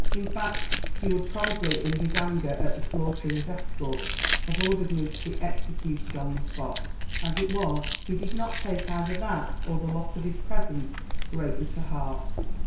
In fact, he would probably, in his anger at the slaughter of his escort, have ordered me to be executed on the spot. As it was, he did not take either that, or the loss of his presents, greatly to heart."